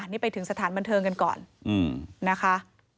นี่ไปถึงสถานบันเทิงกันก่อนนะคะ